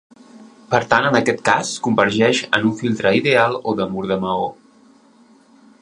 Per tant, en aquest cas, convergeix en un filtre ideal o de mur de maó.